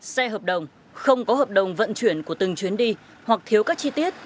xe hợp đồng không có hợp đồng vận chuyển của từng chuyến đi hoặc thiếu các chi tiết